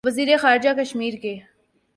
وزیر خارجہ نے کشمیر کے